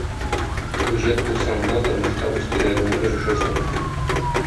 Үҗәт булсаң гына тормышта үз теләгеңә ирешерсең.